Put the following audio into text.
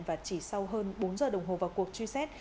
và chỉ sau hơn bốn giờ đồng hồ vào cuộc truy xét